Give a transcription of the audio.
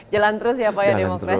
jalan terus ya pak ya demokrasi